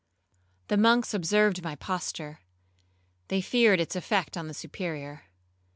The monks observed my posture,—they feared its effect on the Superior.